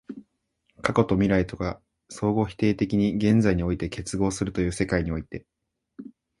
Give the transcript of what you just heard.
過去と未来とが相互否定的に現在において結合するという世界において、